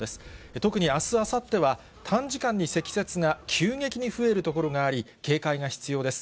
特にあす、あさっては、短時間に積雪が急激に増える所があり、警戒が必要です。